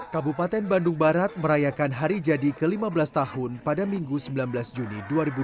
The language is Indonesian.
kabupaten bandung barat merayakan hari jadi ke lima belas tahun pada minggu sembilan belas juni dua ribu dua puluh